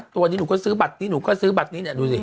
ตัวนี้หนูก็ซื้อบัตรนี้หนูก็ซื้อบัตรนี้เนี่ยดูสิ